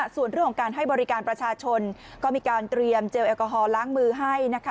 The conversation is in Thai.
ส่วนเรื่องของการให้บริการประชาชนก็มีการเตรียมเจลแอลกอฮอลล้างมือให้นะคะ